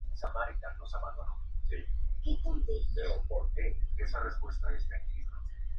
La serie fue criticada por muchos expertos.